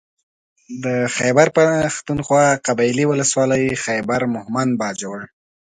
د خېبر پښتونخوا قبايلي ولسوالۍ خېبر مهمند باجوړ